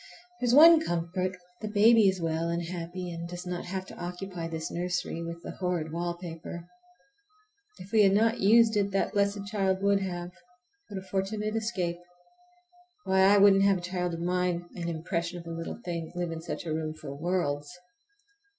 There's one comfort, the baby is well and happy, and does not have to occupy this nursery with the horrid wallpaper. If we had not used it that blessed child would have! What a fortunate escape! Why, I wouldn't have a child of mine, an impressionable little thing, live in such a room for worlds.